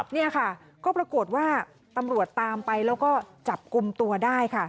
นี่ค่ะก็ปรากฏว่าตำรวจตามไปแล้วก็จับกลุ่มตัวได้ค่ะ